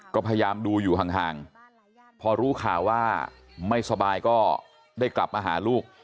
ก็พยายามดูอยู่ห่างพอรู้ข่าวว่าไม่สบายก็ได้กลับมาหาลูก